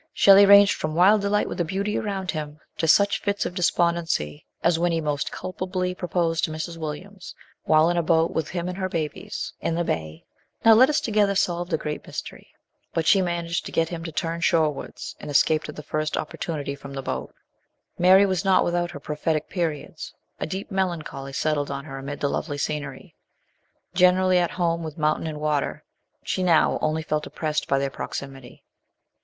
Shelley ranged from wild delight with the beauty around him, to such fits of despondencj r as when he most culp ably proposed to Mrs. Williams, while in a boat with him and her babies, in the bay "Now let us to gether solve the great mystery." But she managed to LAST MONTHS WITH SHELLEY. 163 get him to turn shore wards, and escaped at the first opportunity from the boat. Mary was not without her prophetic periods a deep melancholy settled on her amid the lovely scenery. Generally at home with mountain and water, she now only felt oppressed by their proxi mity.